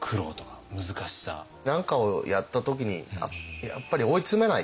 何かをやった時にやっぱり追いつめない。